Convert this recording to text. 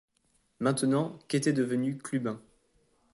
Maintenant qu’était devenu Clubin?